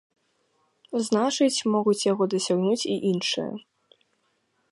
Значыць, могуць яго дасягнуць і іншыя.